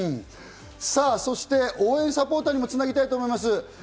応援サポーターにもつなぎたいと思います。